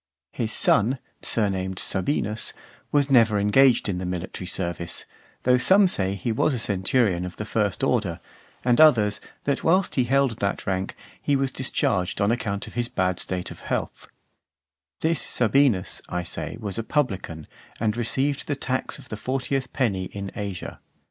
His son, surnamed Sabinus, was never engaged in the military service, though some say he was a centurion of the first order, and others, that whilst he held that rank, he was discharged on account of his bad state of health: this Sabinus, I say, was a publican, and received the tax of the fortieth penny in Asia.